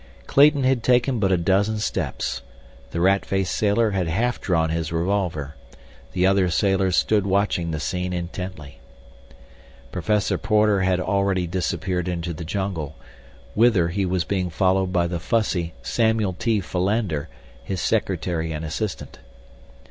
Clayton had taken but a dozen steps. The rat faced sailor had half drawn his revolver; the other sailors stood watching the scene intently. Professor Porter had already disappeared into the jungle, whither he was being followed by the fussy Samuel T. Philander, his secretary and assistant.